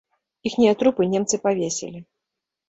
Іхнія трупы немцы павесілі.